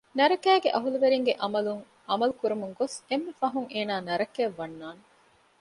ނަރަކައިގެ އަހުލުވެރިންގެ ޢަމަލުން ޢަމަލު ކުރަމުން ގޮސް އެންމެ ފަހުން އޭނާ ނަރަކައަށް ވަންނާނެ